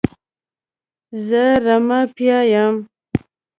زه رمه پیايم.